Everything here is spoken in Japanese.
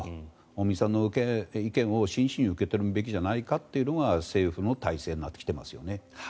尾身さんの意見を真摯に受け止めるべきじゃないかというのが政府の大勢になってきていますよね。